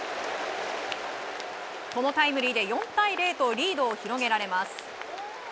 このタイムリーで４対０とリードを広げられます。